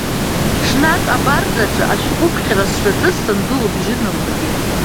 Ҽнак абарҵаҿ ашәҟәыԥхьара сшаҿыз, санду лыбжьы налыргеит…